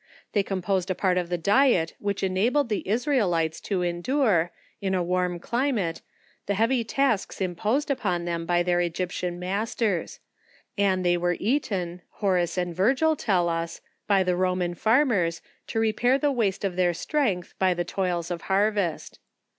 They composed a part of the diet which enabled the Israelites to endure in a warm climate, the heavy tasks imposed upon them by their Egyptian masters, and they were eaten, Horace and Virgil tell us, by the Roman farmers, to repair the waste of their strength, by the toils of har vest.